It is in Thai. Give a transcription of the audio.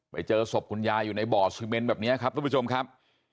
ไปเจอศพคุณยายอยู่ในบ่อซีเมนแบบนี้ครับทุกผู้ชมครับ